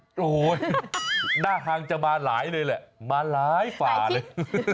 โอ้โหหน้าทางจะมาหลายเลยแหละมาหลายฝ่าเลย